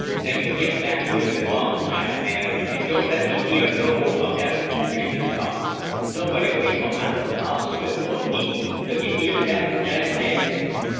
Now yo' git back where yo' belongs, giant man, an' doan't let me heah no mo' ob dat foolishness talk. Nobody waits on Massa Tom Swift but me. Does yo' heah dat, giant man?"